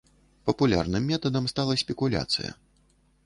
Папулярным метадам стала спекуляцыя.